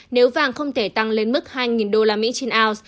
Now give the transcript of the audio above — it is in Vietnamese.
nếu vàng không thể tăng lên mức hai usd trên ounce